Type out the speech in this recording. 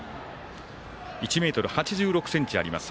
１ｍ８６ｃｍあります